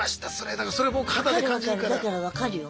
だから分かるよ。